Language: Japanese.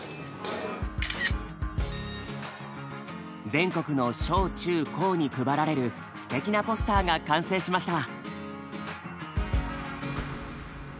全国の小・中・高に配られるすてきなポスターが完成しました！